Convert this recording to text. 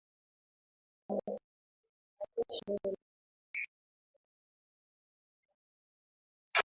yanakiri kwamba Yesu ni Mwana wa Mungu aliyefanyika mtu